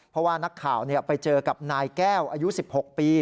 เพราะว่านักข่าวไปเจอกับนายแก้วอายุ๑๖ปี